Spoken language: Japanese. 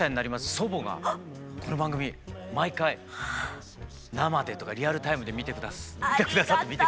祖母がこの番組毎回生でというかリアルタイムで見てくれて。